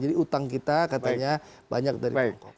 jadi utang kita katanya banyak dari tiongkok